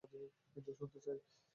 কিন্তু শুনতে চাই।